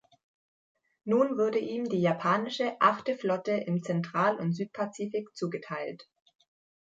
Nun wurde ihm die japanische Achte Flotte im Zentral- und Südpazifik zugeteilt.